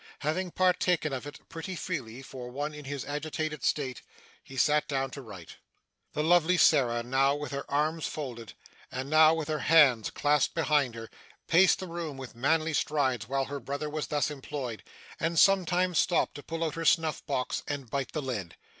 Having partaken of it, pretty freely for one in his agitated state, he sat down to write. The lovely Sarah, now with her arms folded, and now with her hands clasped behind her, paced the room with manly strides while her brother was thus employed, and sometimes stopped to pull out her snuff box and bite the lid.